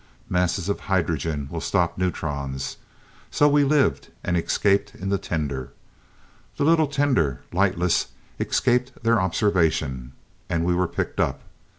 Masses of hydrogen will stop neutrons, so we lived, and escaped in the tender. The little tender, lightless, escaped their observation, and we were picked up.